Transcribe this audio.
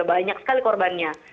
banyak sekali korbannya